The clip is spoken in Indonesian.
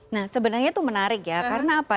nah sebenarnya itu menarik ya karena apa